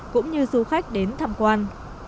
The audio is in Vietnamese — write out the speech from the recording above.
cũng như du khách đến thăm quan